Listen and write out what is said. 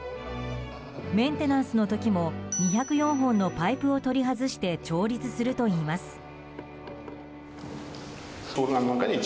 メンテナンスの時も２０４本のパイプを取り外して調律するといいます。